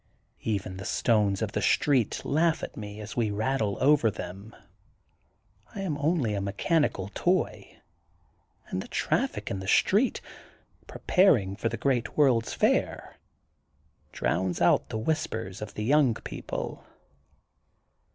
Even the stones of the street laugh at me as we rattle over them. I am only a mechanical toy, and the traffic in the street, preparing for the great World's Fair, drowns out the whispers of the young people.